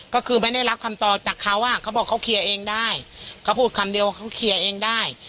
ก็คือไม่ได้รับคำตอบจากเขาอ่ะเขาบอกเขาเคลียร์เองได้เขาพูดคำเดียวเขาเคลียร์เองได้